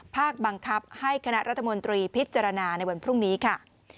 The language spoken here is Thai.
บังคับให้คณะรัฐมนตรีพิจารณาในวันพรุ่งนี้ค่ะ